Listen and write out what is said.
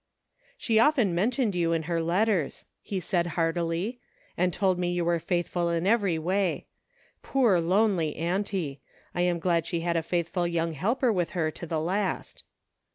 " She often mentioned you in her letters," he said heartily, "and told me you were faithful in every way. Poor, lonely auntie ! I am glad she "orders to move. 179 had a faithful young helper with her to the last."